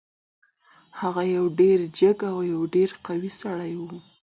هغه یو جګ او ډیر قوي سړی و.